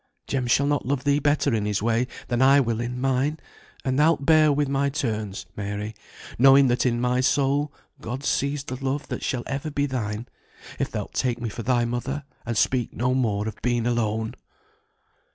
Jem shall not love thee better in his way, than I will in mine; and thou'lt bear with my turns, Mary, knowing that in my soul God sees the love that shall ever be thine, if thou'lt take me for thy mother, and speak no more of being alone."